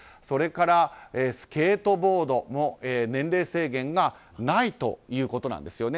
それからスケートボードも年齢制限がないということです。